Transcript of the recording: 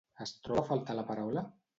Es troba a faltar la paraula?